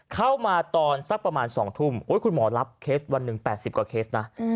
เข้ามาตอนสักประมาณ๒ทุ่มคุณหมอรับเคสวันหนึ่ง๘๐กว่าเคสนะ